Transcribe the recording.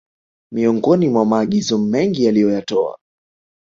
miongoni mwa maagizo mengi aliyoyatoa